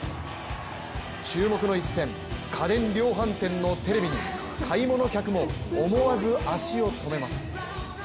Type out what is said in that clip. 注目の１戦家電量販店のテレビに買い物客も思わず足を止めます。